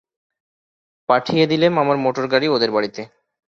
পাঠিয়ে দিলেম আমার মোটরগাড়ি ওদের বাড়িতে।